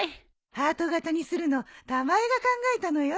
ハート形にするのたまえが考えたのよ。